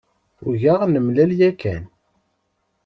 Ugaɣ nemlal yakan.